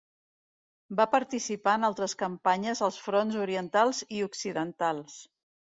Va participar en altres campanyes als fronts orientals i occidentals.